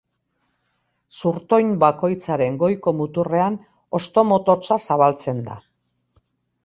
Zurtoin bakoitzaren goiko muturrean hosto-mototsa zabaltzen da.